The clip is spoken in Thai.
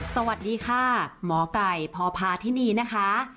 สวัสดีค่ะหมอไก่พพาธินีนะคะ